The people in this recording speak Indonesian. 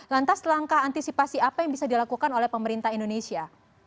lantas langkah antisipasi apa yang bisa dilakukan oleh pemerintah indonesia